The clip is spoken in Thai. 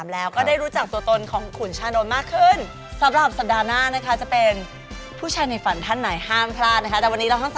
แล้วก็ปิดเครื่อง